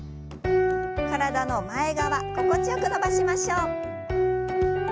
体の前側心地よく伸ばしましょう。